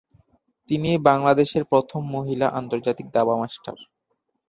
তিনি বাংলাদেশের প্রথম মহিলা আন্তর্জাতিক দাবা মাস্টার।